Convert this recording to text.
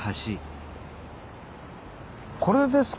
これですか。